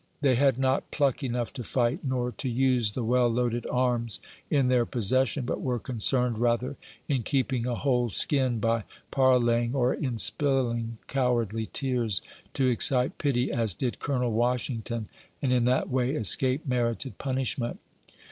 They had not pluck enough to light, nor to use the well loaded arms in their possession, but were concerned rather in keeping a whole skin by parleying, or in spilling cowardly tears, to ex cite pity, as did Colonel Washington, and in that way escape merited punishment.